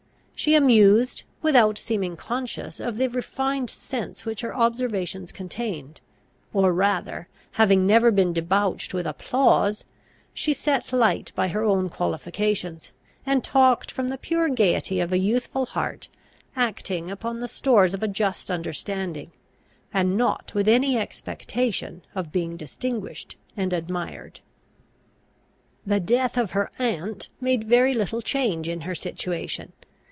She amused, without seeming conscious of the refined sense which her observations contained; or rather, having never been debauched with applause, she set light by her own qualifications, and talked from the pure gaiety of a youthful heart acting upon the stores of a just understanding, and not with any expectation of being distinguished and admired. The death of her aunt made very little change in her situation.